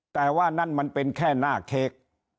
แต่ว่านั่นมันเป็นแค่หน้าเค้ก